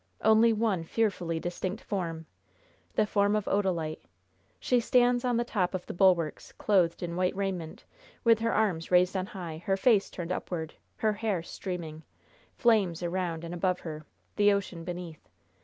Only one fearfully distinct form the form of Odalite. She stands on the top of the bulwarks, clothed in white raiment, with her arms raised on high, her face turned upward, her hair streaming! flames around and above her, the ocean beneath.